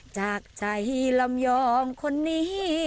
จากใจลำยองคนนี้